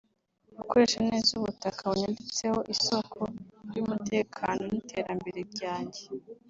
Gukoresha neza ubutaka bunyanditseho isoko y’umutekano n’iterambere ryanjye